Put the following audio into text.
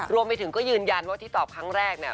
รวมไปถึงก็ยืนยันว่าที่ตอบครั้งแรกเนี่ย